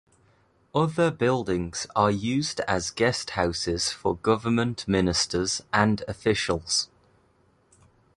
Other buildings are used as guesthouses for government ministers and officials.